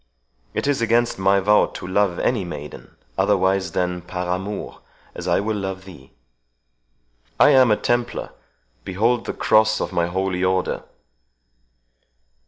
It is against my vow to love any maiden, otherwise than 'par amours', as I will love thee. I am a Templar. Behold the cross of my Holy Order."